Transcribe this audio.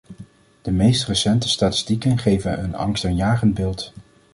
De meest recente statistieken geven een angstaanjagend beeld.